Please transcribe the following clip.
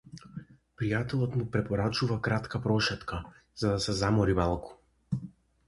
Пријателот му препорачува кратка прошетка, за да се замори малку.